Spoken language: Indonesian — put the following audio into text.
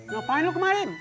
ngapain lu kemarin